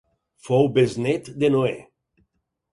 Fou besnét de Noè.